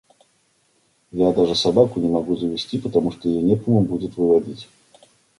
Я даже собаку не могу завести, потому что ее некому будет выводить.